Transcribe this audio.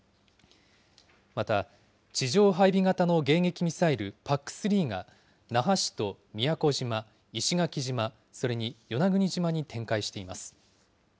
また、地上配備型の迎撃ミサイルＰＡＣ３が那覇市と宮古島、石垣島、それに与那国島に展開しています。